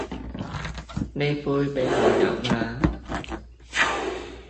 呢杯畀我飲啦